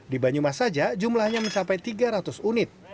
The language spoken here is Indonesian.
di banyumas saja jumlahnya mencapai tiga ratus unit